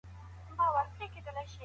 تاسو باید تل رښتیا ووایئ.